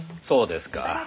そうですか。